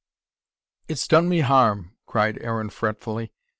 "It's done me harm," cried Aaron fretfully.